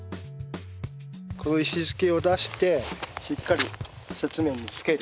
この石突きを出してしっかり雪面につける。